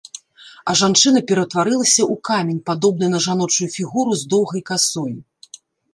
А жанчына ператварылася ў камень, падобны на жаночую фігуру з доўгай касой.